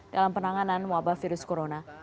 dalam penanganan wabah virus corona